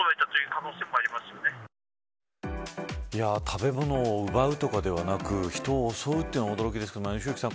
食べ物を奪うとかではなく人を襲うというのは驚きですけど良幸さん